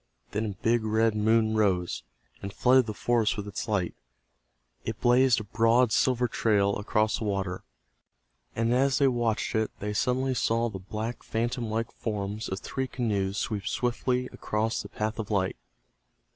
Then a big red moon rose, and flooded the forest with its light. It blazed a broad silver trail across the water, and as they watched it they suddenly saw the black phantom like forms of three canoes sweep swiftly across the path of light.